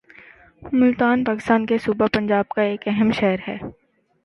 ملتان پاکستان کے صوبہ پنجاب کا ایک اہم شہر ہے